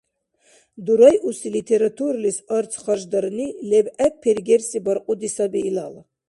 Дурайуси литературалис арц харждирни лебгӀеб пергерси баркьуди саби илала.